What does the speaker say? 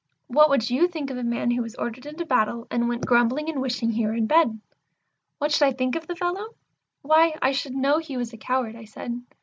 What would you think of a man who was ordered into battle, and went grumbling and wishing he were in bed?" "What should I think of the fellow? Why, I should know he was a coward," I said.